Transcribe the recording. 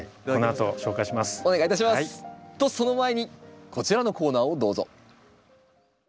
とその前にこちらのコーナーをどうぞ。